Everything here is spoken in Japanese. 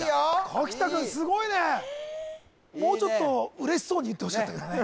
柿田君すごいねもうちょっと嬉しそうに言ってほしかったけどね